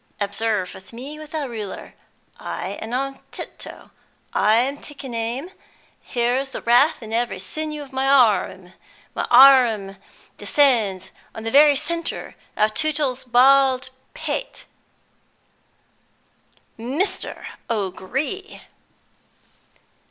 Observe me with the ruler! I am on tiptoe; I am taking aim; there is wrath in every sinew of my arrum! My arrum descends on the very centre of Tootle's bald pate " "Mr. O'Gree!"